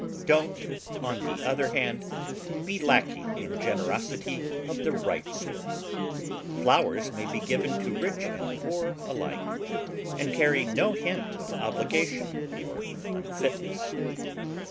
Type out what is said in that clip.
Don't, on the other hand, be lacking in generosity of the right sort. Flowers may be given to rich and poor alike, and carry no hint of obligation, or unfit ness.